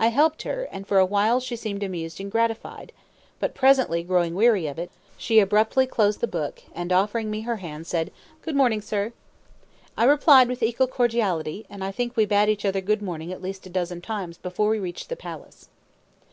I helped her, and for a while she seemed amused and gratified; but presently, growing weary of it, she abruptly closed the book, and, offering me her hand, said, "Good morning, sir!" I replied with equal cordiality, and I think we bade each other good morning at least a dozen times before we reached the palace.